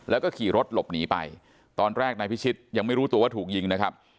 แล้วก็ขี่รถหลบหนีไปตอนแรกนายพิชิตยังไม่รู้ตัวว่าถูกยิงนะครับ